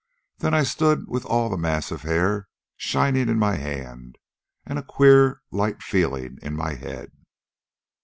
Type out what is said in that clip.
Then I stood with all that mass of hair shining in my hand and a queer, light feeling in my head.